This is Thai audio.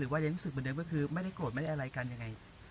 ว่ายังรู้สึกเหมือนเดิมก็คือไม่ได้โกรธไม่ได้อะไรกันยังไง